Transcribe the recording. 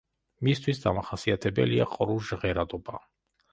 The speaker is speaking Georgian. მისთვის დამახასიათებელია ყრუ ჟღერადობა.